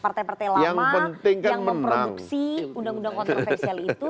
partai partai lama yang memproduksi undang undang kontroversial itu